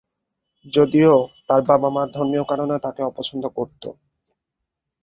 যদিও তার বাবা-মা ধর্মীয় কারণে তাকে অপছন্দ করত।